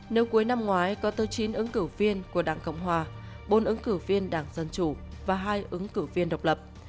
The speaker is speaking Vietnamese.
nếu cuối năm ngoái có tới chín ứng cử viên của đảng cộng hòa bốn ứng cử viên đảng dân chủ và hai ứng cử viên độc lập